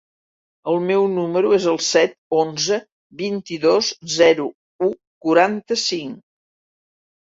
El meu número es el set, onze, vint-i-dos, zero, u, quaranta-cinc.